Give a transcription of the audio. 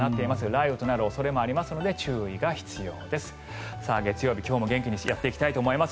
雷雨となる恐れもありますので注意が必要です。